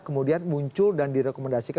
kemudian muncul dan direkomendasikan